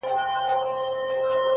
ستا په نازك او گل ورين وجود كي.!